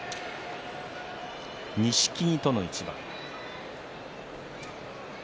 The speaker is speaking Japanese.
錦木との一番です。